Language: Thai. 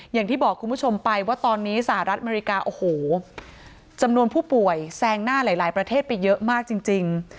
อย่างที่บอกคุณผู้ชมไปว่าตอนนี้สหรัฐอเมริกาโอ้โหจำนวนผู้ป่วยแซงหน้าหลายประเทศไปเยอะมากจริง